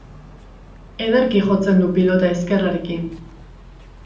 Ederki jotzen du pilota ezkerrarekin.